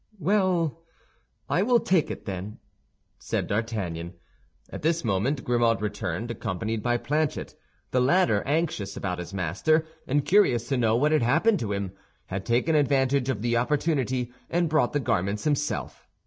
"Well, I will take it, then," said D'Artagnan. At this moment Grimaud returned, accompanied by Planchet; the latter, anxious about his master and curious to know what had happened to him, had taken advantage of the opportunity and brought the garments himself.